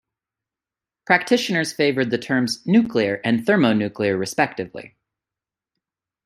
Practitioners favored the terms nuclear and thermonuclear, respectively.